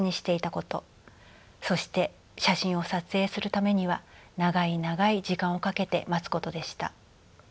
そして写真を撮影するためには長い長い時間をかけて待つことでした。